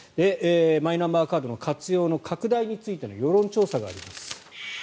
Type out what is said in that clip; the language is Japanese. マイナンバーカードの活用の拡大についての世論調査があります。